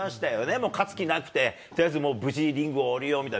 もう勝つ気なくて、とりあえず無事、リングをおりようみたいな。